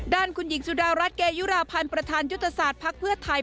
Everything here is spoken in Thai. คุณหญิงสุดารัฐเกยุราพันธ์ประธานยุทธศาสตร์ภักดิ์เพื่อไทย